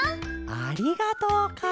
「ありがとう」かあ！